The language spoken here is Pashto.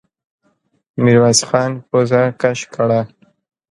ميرويس خان پزه کش کړه.